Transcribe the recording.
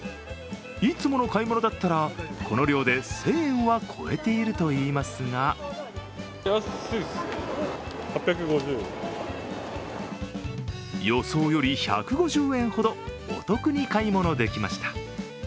いつもの買い物だったらこの量で１０００円は超えているといいますが予想より５１０円ほどお得に買い物できました。